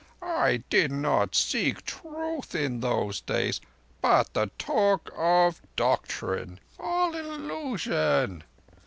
"I did not seek truth in those days, but the talk of doctrine. All illusion!